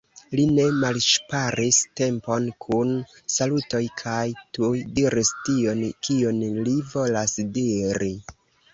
Li ne malŝparis tempon kun salutoj, kaj tuj diris tion, kion li volas diri.